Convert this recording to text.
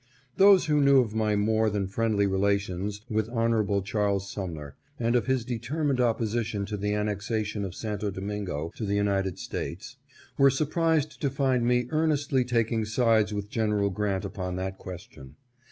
Those who knew of my more than friendly relations with Hon. Charles Sumner, and of his determined opposi tion to the annexation of Santo Domingo to the United States, were surprised to find me earnestly taking sides with General Grant upon that question.